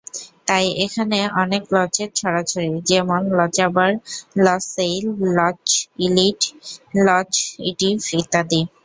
তাই এখানে অনেক লচের ছড়াছড়ি, যেমন লচআবার, লচসেইল, লচইলিট, লচইটিভ ইত্যাদি।